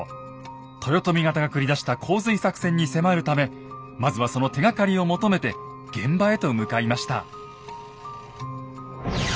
豊臣方が繰り出した洪水作戦に迫るためまずはその手がかりを求めて現場へと向かいました。